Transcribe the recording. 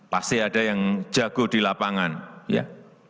pasti ada yang jago di lapangan ya